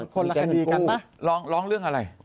คนละคดีกันมั้ย